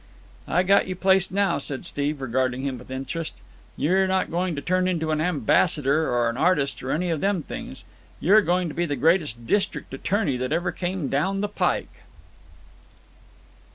"I got you placed now," said Steve, regarding him with interest. "You're not going to turn into an ambassador or an artist or any of them things. You're going to be the greatest district attorney that ever came down the pike."